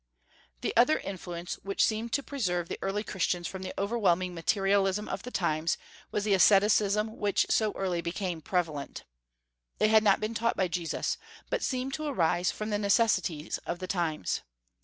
The other influence which seemed to preserve the early Christians from the overwhelming materialism of the times was the asceticism which so early became prevalent. It had not been taught by Jesus, but seemed to arise from the necessities of the times.